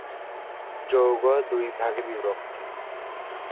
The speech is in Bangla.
যোগ দুই ভাগে বিভক্ত।